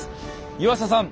湯浅さん